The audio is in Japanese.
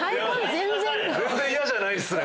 全然嫌じゃないっすね！